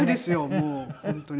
もう本当に。